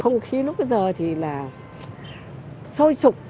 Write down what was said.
không khí lúc bây giờ thì là sôi sụp